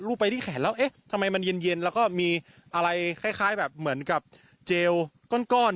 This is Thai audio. ไปที่แขนแล้วเอ๊ะทำไมมันเย็นแล้วก็มีอะไรคล้ายแบบเหมือนกับเจลก้อน